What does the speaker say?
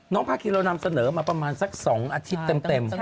ภาคีเรานำเสนอมาประมาณสัก๒อาทิตย์เต็ม